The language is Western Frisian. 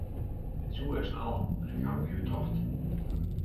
It soe earst al, mar ik haw my betocht.